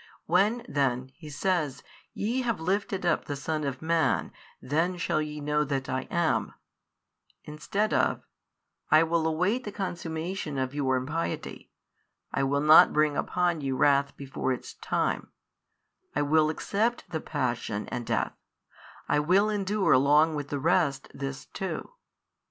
When then, He says, ye have lifted up the Son of Man, then shall ye know that I am, instead of, I will await the consummation of your impiety, I will not bring upon you wrath before its time, I will accept the Passion and Death, I will endure along with the rest this too.